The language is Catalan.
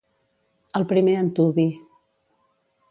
Al primer antuvi.